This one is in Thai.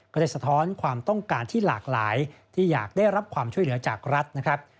สะท้อนความต้องการที่หลากหลายที่อยากได้รับความช่วยเหลือจากรัฐนะครับ